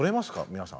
皆さん。